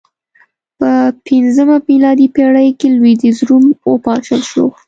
په پنځمه میلادي پېړۍ کې لوېدیځ روم وپاشل شو